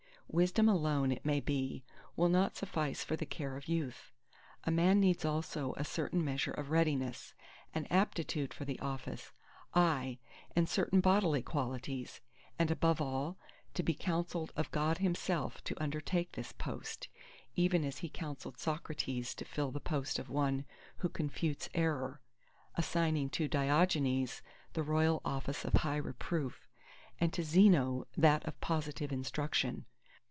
Wisdom alone, it may be, will not suffice for the care of youth: a man needs also a certain measure of readiness—an aptitude for the office; aye, and certain bodily qualities; and above all, to be counselled of God Himself to undertake this post; even as He counselled Socrates to fill the post of one who confutes error, assigning to Diogenes the royal office of high reproof, and to Zeno that of positive instruction.